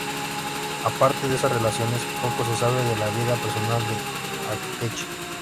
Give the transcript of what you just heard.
Aparte de estas relaciones, poco se sabe de la vida personal de Akechi.